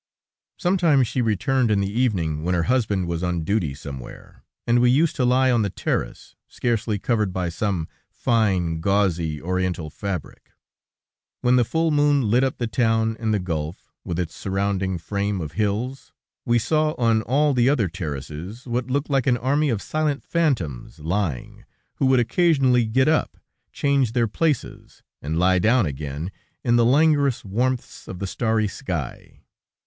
Sometimes she returned in the evening, when her husband was on duty somewhere, and we used to lie on the terrace, scarcely covered by some fine, gauzy, Oriental fabric. When the full moon lit up the town and the gulf, with its surrounding frame of hills, we saw on all the other terraces what looked like an army of silent phantoms lying, who would occasionally get up, change their places, and lie down again, in the languorous warmths of the starry sky.